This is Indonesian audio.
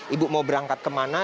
ibu mau berangkat kemana